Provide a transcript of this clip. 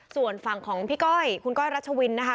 ส่วนฝั่งของพี่ก้อยคุณก้อยรัชวินนะคะ